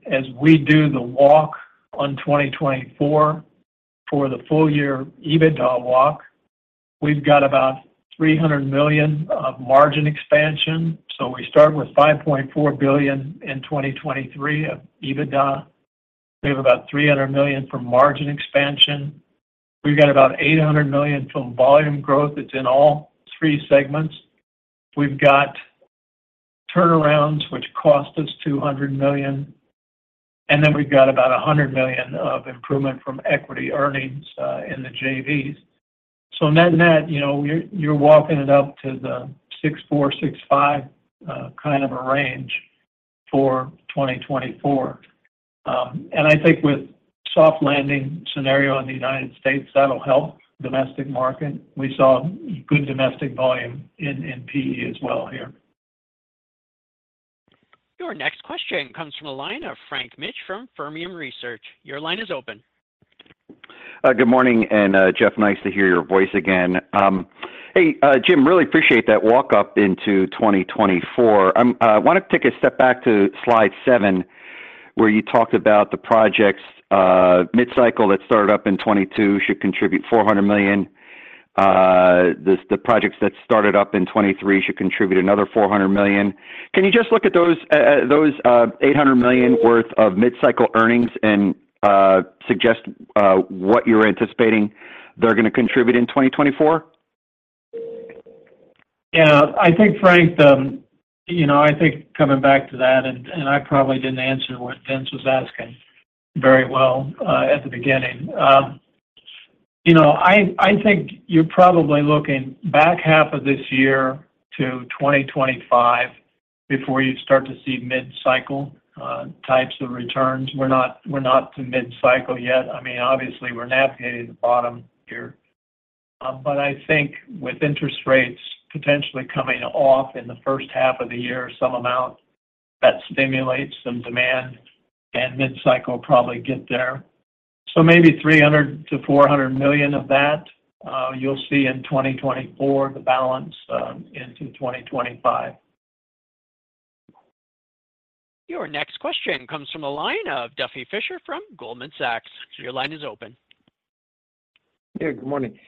Speaker 3: As we do the walk on 2024 for the full year EBITDA walk, we've got about $300 million of margin expansion. So we started with $5.4 billion in 2023 of EBITDA. We have about $300 million from margin expansion. We've got about $800 million from volume growth. It's in all three segments. We've got turnarounds, which cost us $200 million, and then we've got about $100 million of improvement from equity earnings in the JVs. So net-net, you know, you're walking it up to the $6.4-$6.5 kind of a range for 2024. And I think with soft landing scenario in the United States, that'll help domestic market. We saw good domestic volume in PE as well here.
Speaker 1: Your next question comes from the line of Frank Mitsch from Fermium Research. Your line is open.
Speaker 14: Good morning, and, Jeff, nice to hear your voice again. Hey, Jim, really appreciate that walk up into 2024. I want to take a step back to Slide 7, where you talked about the projects mid-cycle that started up in 2022, should contribute $400 million. The projects that started up in 2023 should contribute another $400 million. Can you just look at those $800 million worth of mid-cycle earnings and suggest what you're anticipating they're gonna contribute in 2024?
Speaker 3: Yeah, I think Frank, you know, I think coming back to that, and I probably didn't answer what Vince was asking very well, at the beginning. You know, I think you're probably looking back half of this year to 2025 before you'd start to see mid-cycle types of returns. We're not, we're not to mid-cycle yet. I mean, obviously, we're navigating the bottom here. But I think with interest rates potentially coming off in the first half of the year, some amount, that stimulates some demand and mid-cycle probably get there. So maybe $300 million-$400 million of that, you'll see in 2024, the balance into 2025.
Speaker 1: Your next question comes from the line of Duffy Fischer from Goldman Sachs. Your line is open.
Speaker 15: Yeah, good morning.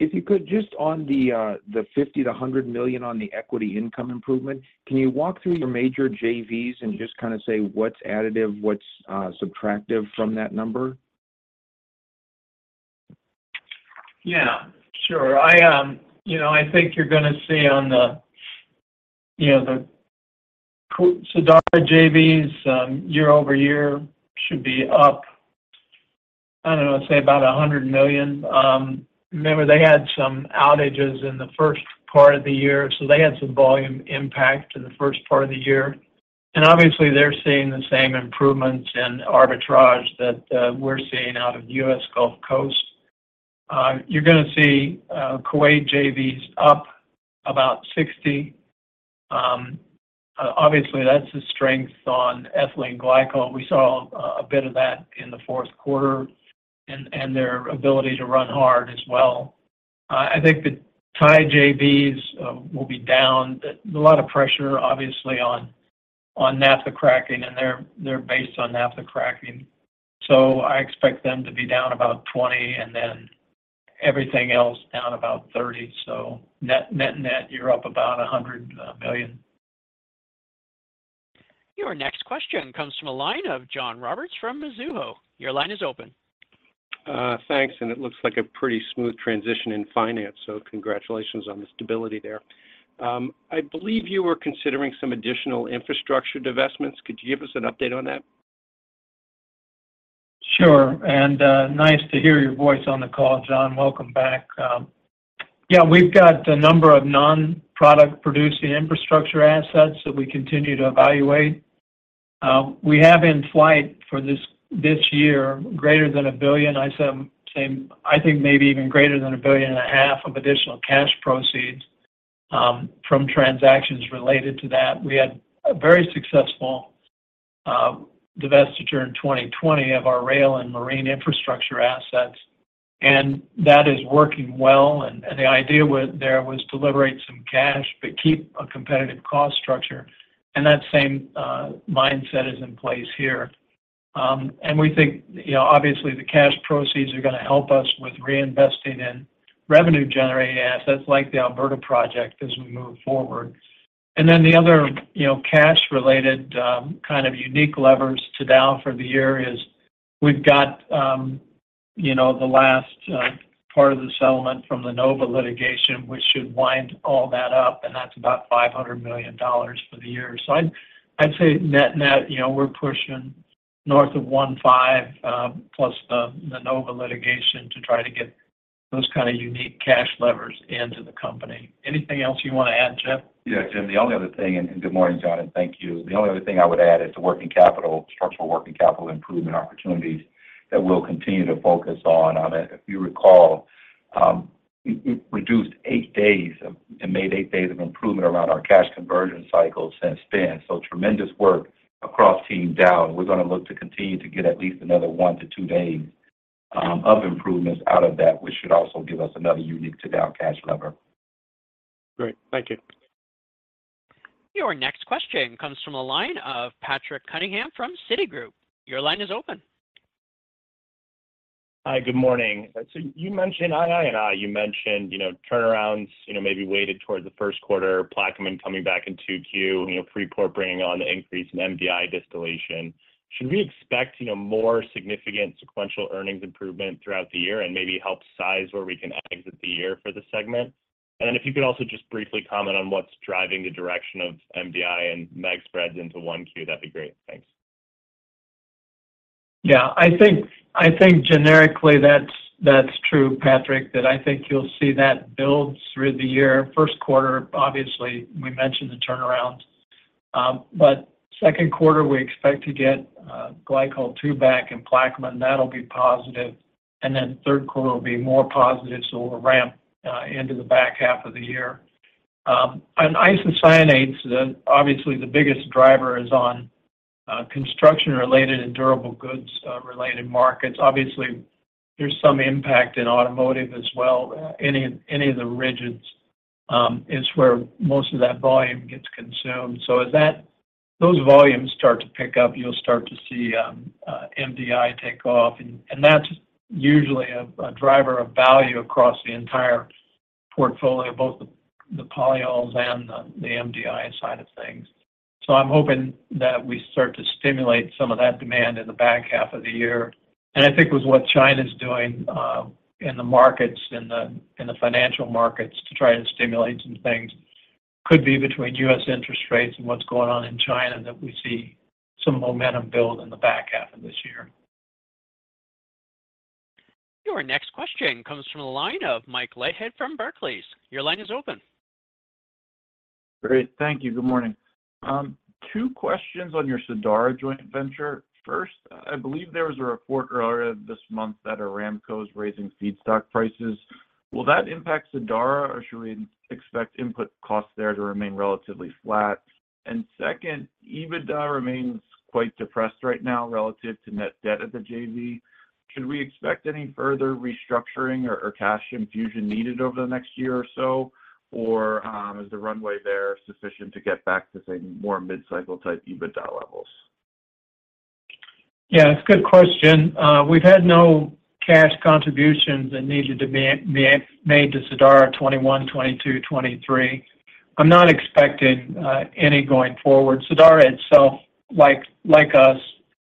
Speaker 15: If you could, just on the $50 million-$100 million on the equity income improvement, can you walk through your major JVs and just kinda say what's additive, what's subtractive from that number?
Speaker 3: Yeah, sure. I, you know, I think you're gonna see on the, you know, the Sadara JVs, year-over-year should be up, I don't know, say, about $100 million. Remember, they had some outages in the first part of the year, so they had some volume impact in the first part of the year. And obviously, they're seeing the same improvements in arbitrage that, we're seeing out of the US Gulf Coast. You're gonna see, Kuwait JVs up about $60 million. Obviously, that's the strength on ethylene glycol. We saw a bit of that in the fourth quarter and their ability to run hard as well. I think the Thai JVs will be down. There's a lot of pressure, obviously on naphtha cracking, and they're based on naphtha cracking, so I expect them to be down about $20 million, and then everything else down about $30 million. So net-net, you're up about $100 million....
Speaker 1: Your next question comes from the line of John Roberts from Mizuho. Your line is open.
Speaker 16: Thanks, and it looks like a pretty smooth transition in finance, so congratulations on the stability there. I believe you were considering some additional infrastructure divestments. Could you give us an update on that?
Speaker 3: Sure, and, nice to hear your voice on the call, John. Welcome back. Yeah, we've got a number of non-product-producing infrastructure assets that we continue to evaluate. We have in flight for this year, greater than $1 billion, I said, same, I think maybe even greater than $1.5 billion of additional cash proceeds, from transactions related to that. We had a very successful, divestiture in 2020 of our rail and marine infrastructure assets, and that is working well. And, and the idea with there was to liberate some cash, but keep a competitive cost structure, and that same, mindset is in place here. And we think, you know, obviously, the cash proceeds are gonna help us with reinvesting in revenue-generating assets like the Alberta project as we move forward. And then the other, you know, cash-related, kind of unique levers to Dow for the year is we've got, you know, the last, part of the settlement from the NOVA litigation, which should wind all that up, and that's about $500 million for the year. So I'd, I'd say net-net, you know, we're pushing north of $150 million+ the, the NOVA litigation to try to get those kind of unique cash levers into the company. Anything else you want to add, Jeff?
Speaker 4: Yeah, Jim, the only other thing, and good morning, John, and thank you. The only other thing I would add is the working capital, structural working capital improvement opportunities that we'll continue to focus on. On it, if you recall, we reduced eight days and made eight days of improvement around our cash conversion cycle since then. So tremendous work across Team Dow, and we're gonna look to continue to get at least another one to two days of improvements out of that, which should also give us another unique to Dow cash lever.
Speaker 16: Great. Thank you.
Speaker 1: Your next question comes from the line of Patrick Cunningham from Citigroup. Your line is open.
Speaker 17: Hi, good morning. So you mentioned Q2 and Q1. You mentioned, you know, turnarounds, you know, maybe weighted toward the first quarter, Plaquemine coming back in 2Q, you know, Freeport bringing on the increase in MDI distillation. Should we expect, you know, more significant sequential earnings improvement throughout the year and maybe help size where we can exit the year for the segment? And if you could also just briefly comment on what's driving the direction of MDI and MEG spreads into 1Q, that'd be great. Thanks.
Speaker 3: Yeah. I think, I think generically that's, that's true, Patrick, that I think you'll see that build through the year. First quarter, obviously, we mentioned the turnaround, but second quarter, we expect to get glycol 2 back in Plaquemine, that'll be positive, and then third quarter will be more positive, so we'll ramp into the back half of the year. On isocyanates, the obviously the biggest driver is on construction-related and durable goods related markets. Obviously, there's some impact in automotive as well. Any, any of the rigids is where most of that volume gets consumed. So as that, those volumes start to pick up, you'll start to see MDI take off, and, and that's usually a, a driver of value across the entire portfolio, both the, the polyols and the, the MDI side of things. So I'm hoping that we start to stimulate some of that demand in the back half of the year. And I think with what China's doing, in the markets, in the financial markets, to try to stimulate some things, could be between US interest rates and what's going on in China, that we see some momentum build in the back half of this year.
Speaker 1: Your next question comes from the line of Mike Leithead from Barclays. Your line is open.
Speaker 18: Great. Thank you. Good morning. Two questions on your Sadara joint venture. First, I believe there was a report earlier this month that Aramco is raising feedstock prices. Will that impact Sadara, or should we expect input costs there to remain relatively flat? And second, EBITDA remains quite depressed right now relative to net debt at the JV. Should we expect any further restructuring or, or cash infusion needed over the next year or so? Or, is the runway there sufficient to get back to, say, more mid-cycle type EBITDA levels?
Speaker 3: Yeah, it's a good question. We've had no cash contributions that needed to be made to Sadara 2021, 2022, 2023. I'm not expecting any going forward. Sadara itself, like us,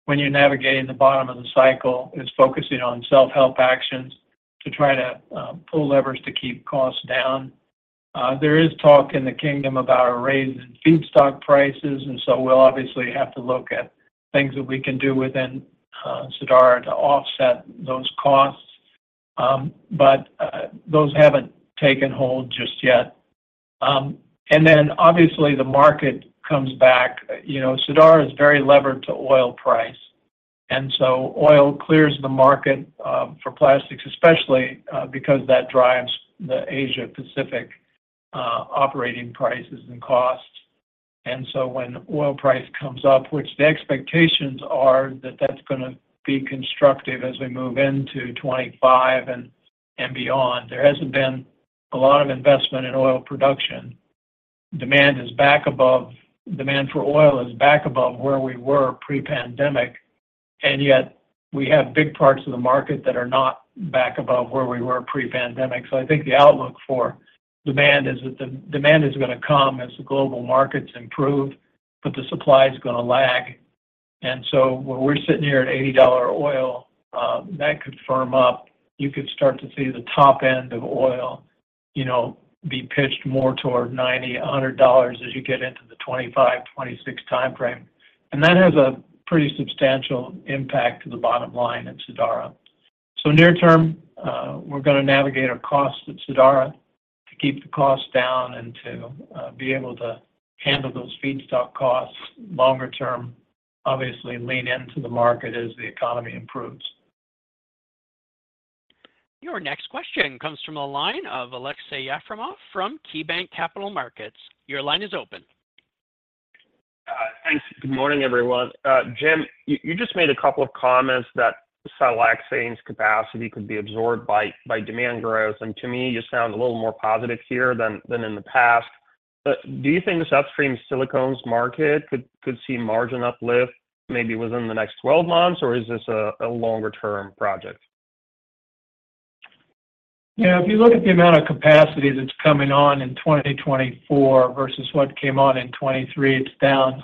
Speaker 3: when you're navigating the bottom of the cycle, is focusing on self-help actions to try to pull levers to keep costs down. There is talk in the kingdom about a raise in feedstock prices, and so we'll obviously have to look at things that we can do within Sadara to offset those costs. But those haven't taken hold just yet. And then obviously, the market comes back. You know, Sadara is very levered to oil price, and so oil clears the market for plastics, especially because that drives the Asia-Pacific operating prices and costs. And so when oil price comes up, which the expectations are, that that's gonna be constructive as we move into 2025 and, and beyond. There hasn't been a lot of investment in oil production. Demand for oil is back above where we were pre-pandemic. And yet we have big parts of the market that are not back above where we were pre-pandemic. So I think the outlook for demand is that the demand is going to come as the global markets improve, but the supply is going to lag. And so when we're sitting here at $80 oil, that could firm up. You could start to see the top end of oil, you know, be pitched more toward $90-$100 as you get into the 2025, 2026-time frame. And that has a pretty substantial impact to the bottom line in Sadara. So near term, we're going to navigate our costs at Sadara to keep the costs down and to be able to handle those feedstock costs. Longer term, obviously lean into the market as the economy improves.
Speaker 1: Your next question comes from the line of Aleksey Yefremov from KeyBanc Capital Markets. Your line is open.
Speaker 19: Thanks. Good morning, everyone. Jim, you just made a couple of comments that siloxanes capacity could be absorbed by demand growth, and to me, you sound a little more positive here than in the past. But do you think the upstream silicones market could see margin uplift maybe within the next 12 months, or is this a longer-term project?
Speaker 3: Yeah, if you look at the amount of capacity that's coming on in 2024 versus what came on in 2023, it's down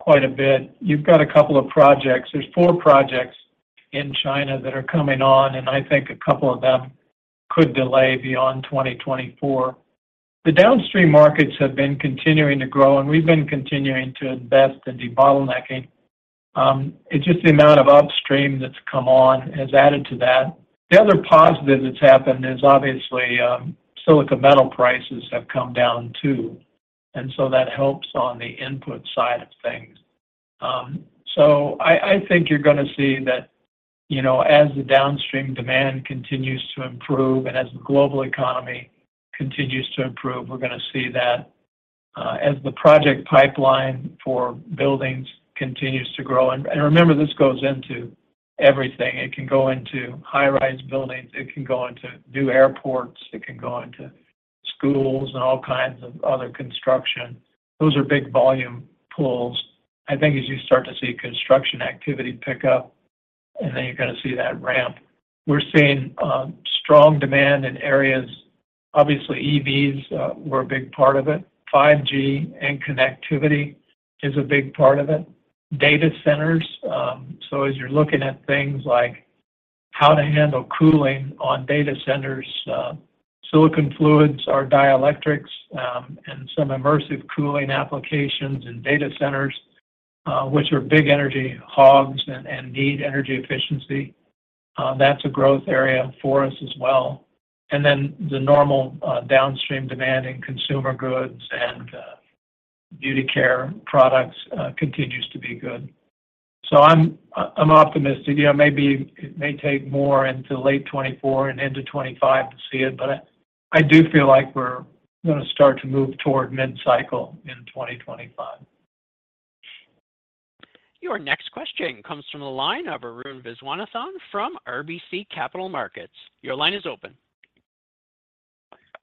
Speaker 3: quite a bit. You've got a couple of projects. There's four projects in China that are coming on, and I think a couple of them could delay beyond 2024. The downstream markets have been continuing to grow, and we've been continuing to invest in debottlenecking. It's just the amount of upstream that's come on has added to that. The other positive that's happened is obviously, silicon metal prices have come down too, and so that helps on the input side of things. So I think you're gonna see that, you know, as the downstream demand continues to improve and as the global economy continues to improve, we're gonna see that, as the project pipeline for buildings continues to grow. And, and remember, this goes into everything. It can go into high-rise buildings, it can go into new airports, it can go into schools and all kinds of other construction. Those are big volume pools. I think as you start to see construction activity pick up, and then you're gonna see that ramp. We're seeing strong demand in areas. Obviously, EVs were a big part of it. 5G and connectivity is a big part of it. Data centers, so as you're looking at things like how to handle cooling on data centers, silicone fluids are dielectrics, and some immersive cooling applications in data centers, which are big energy hogs and, and need energy efficiency. That's a growth area for us as well. And then the normal downstream demand in consumer goods and beauty care products continues to be good. I'm optimistic. You know, maybe it may take more into late 2024 and into 2025 to see it, but I do feel like we're gonna start to move toward mid-cycle in 2025.
Speaker 1: Your next question comes from the line of Arun Viswanathan from RBC Capital Markets. Your line is open.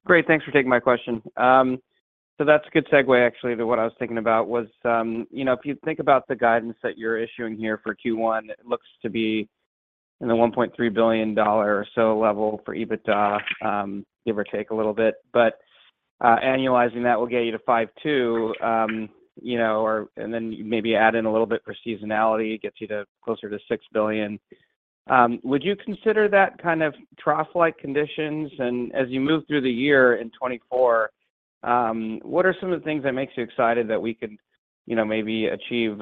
Speaker 20: Great. Thanks for taking my question. So that's a good segue actually, to what I was thinking about was, you know, if you think about the guidance that you're issuing here for Q1, it looks to be in the $1.3 billion or so level for EBITDA, give or take a little bit. But, annualizing that will get you to $5.2 billion, you know, and then maybe add in a little bit for seasonality, it gets you to closer to $6 billion. Would you consider that kind of trough-like conditions? And as you move through the year in 2024, what are some of the things that makes you excited that we could, you know, maybe achieve,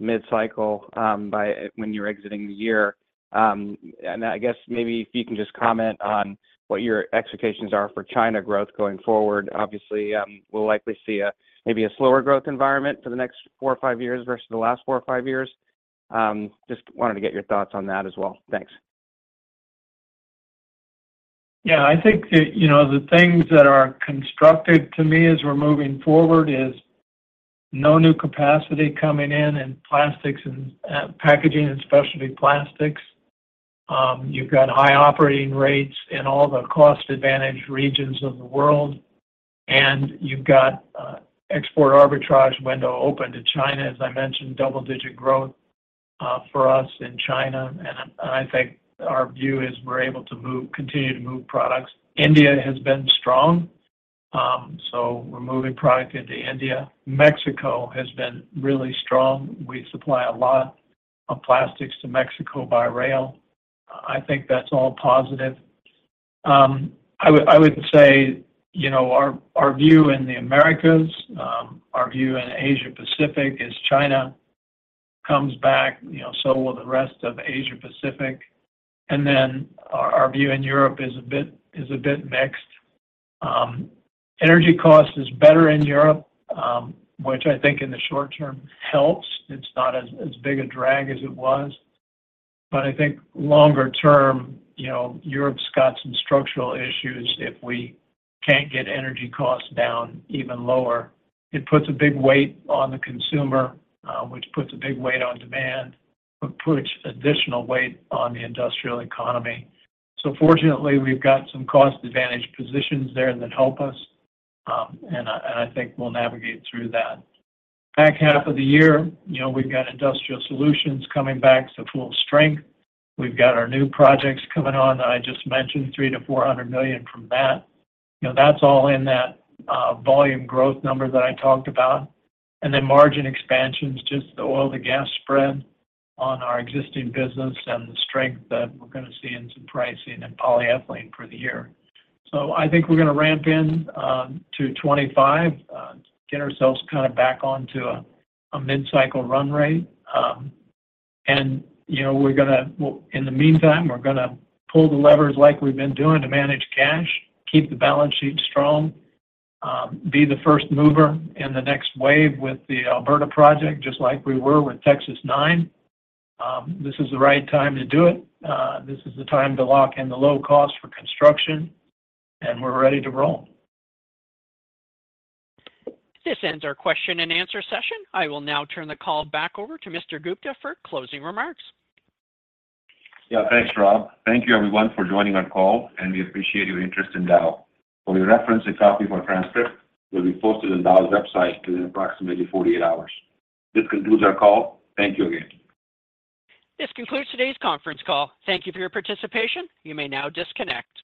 Speaker 20: mid-cycle, by when you're exiting the year? And I guess maybe if you can just comment on what your expectations are for China growth going forward? Obviously, we'll likely see a, maybe a slower growth environment for the next four or five years versus the last four or five years. Just wanted to get your thoughts on that as well. Thanks.
Speaker 3: Yeah, I think that, you know, the things that are constraining to me as we're moving forward is no new capacity coming in in plastics and packaging and specialty plastics. You've got high operating rates in all the cost-advantaged regions of the world, and you've got export arbitrage window open to China, as I mentioned, double-digit growth for us in China, and I, and I think our view is we're able to move, continue to move products. India has been strong, so we're moving product into India. Mexico has been really strong. We supply a lot of plastics to Mexico by rail. I think that's all positive. I would say, you know, our view in the Americas, our view in Asia-Pacific is China comes back, you know, so will the rest of Asia-Pacific, and then our view in Europe is a bit mixed. Energy cost is better in Europe, which I think in the short term helps. It's not as big a drag as it was, but I think longer term, you know, Europe's got some structural issues if we can't get energy costs down even lower. It puts a big weight on the consumer, which puts a big weight on demand, but puts additional weight on the industrial economy. So fortunately, we've got some cost-advantaged positions there that help us, and I think we'll navigate through that. Back half of the year, you know, we've got Industrial Solutions coming back to full strength. We've got our new projects coming on that I just mentioned, $300 million-$400 million from that. You know, that's all in that, volume growth number that I talked about. And then margin expansions, just the oil to gas spread on our existing business and the strength that we're gonna see in some pricing and polyethylene for the year. So I think we're gonna ramp in, to 2025, get ourselves kinda back onto a, a mid-cycle run-rate. And, you know, we're gonna. Well, in the meantime, we're gonna pull the levers like we've been doing to manage cash, keep the balance sheet strong, be the first mover in the next wave with the Alberta project, just like we were with Texas-9. This is the right time to do it. This is the time to lock in the low cost for construction, and we're ready to roll.
Speaker 1: This ends our question-and-answer session. I will now turn the call back over to Mr. Gupta for closing remarks.
Speaker 2: Yeah, thanks, Rob. Thank you everyone for joining our call, and we appreciate your interest in Dow. For your reference, a copy of our transcript will be posted on Dow's website within approximately 48 hours. This concludes our call. Thank you again.
Speaker 1: This concludes today's conference call. Thank you for your participation. You may now disconnect.